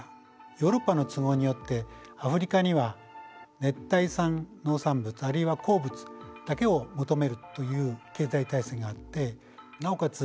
ヨーロッパの都合によってアフリカには熱帯産農産物あるいは鉱物だけを求めるという経済体制があってなおかつ